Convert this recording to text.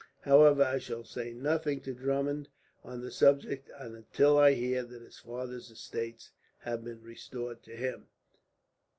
However, I shall say nothing to Drummond on the subject until I hear that his father's estates have been restored to him."